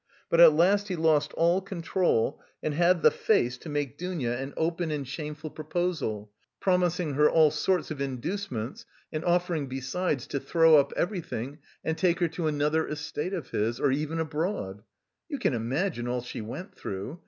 But at last he lost all control and had the face to make Dounia an open and shameful proposal, promising her all sorts of inducements and offering, besides, to throw up everything and take her to another estate of his, or even abroad. You can imagine all she went through!